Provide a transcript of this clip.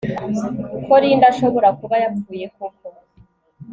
ko Linda ashobora kuba yapfuye koko